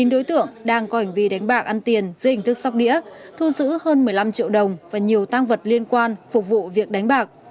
chín đối tượng đang có hành vi đánh bạc ăn tiền dưới hình thức sóc đĩa thu giữ hơn một mươi năm triệu đồng và nhiều tăng vật liên quan phục vụ việc đánh bạc